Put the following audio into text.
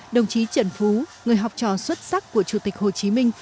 đồng chí trần phú người học trò xuất sắc của chủ tịch hồ chí minh